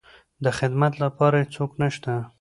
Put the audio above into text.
د خدمت لپاره يې څوک نشته.